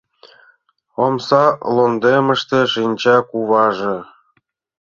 Омса лондемыште шинча куваже